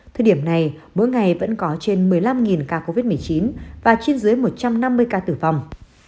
thời điểm này mỗi ngày vẫn có trên một mươi năm ca covid một mươi chín và trên dưới một trăm năm mươi ca tử vong